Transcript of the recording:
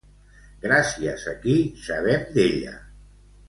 Gràcies a qui sabem d'ella?